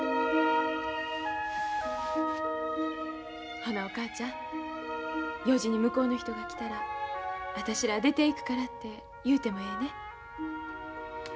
ほなお母ちゃん４時に向こうの人が来たら私らは出ていくからって言うてもええね？